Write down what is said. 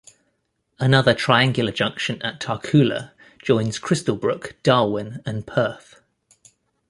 Another triangular junction at Tarcoola joins Crystal Brook, Darwin and Perth.